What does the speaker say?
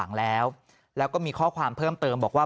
อารมณ์ไม่ดีเพราะว่าอะไรฮะ